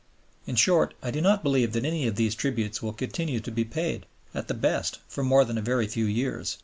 In short, I do not believe that any of these tributes will continue to be paid, at the best, for more than a very few years.